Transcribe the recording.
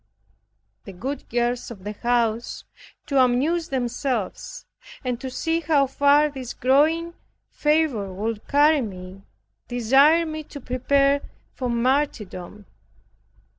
The good girls of the house, to amuse themselves, and to see how far this growing fervor would carry me, desired me to prepare for martyrdom.